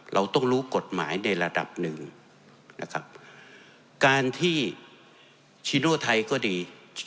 เราต้องรู้กฎหมายในระดับหนึ่งนะครับการที่ชีโร่ไทยก็ดี